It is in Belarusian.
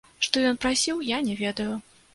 Што ён прасіў, я не ведаю.